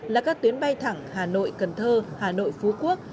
là các tuyến bay thẳng hà nội cần thơ hà nội phú quốc